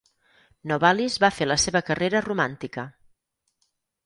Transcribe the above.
Novalis va fer la seva carrera romàntica.